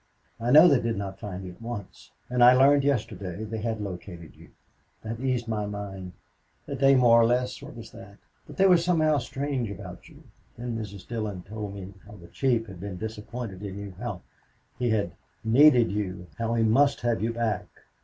"I know they did not find you at once. And I learned yesterday they had located you. That eased my mind. A day more or less what was that?... But they were somehow strange about you. Then Mrs. Dillon told me how the chief had been disappointed in you how he had needed you how he must have you back."